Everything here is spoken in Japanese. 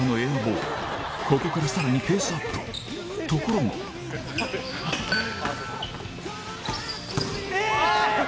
ここからさらにペースアップところがえぇ！